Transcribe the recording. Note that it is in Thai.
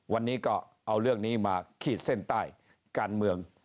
วันนี้ก็เอาเรื่องนี้มาขีดเส้นใต้การเมือง